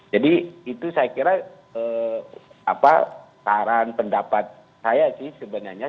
jadi itu saya kira saran pendapat saya sih sebenarnya